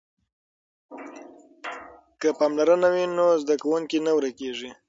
که پاملرنه وي نو زده کوونکی نه ورکیږي.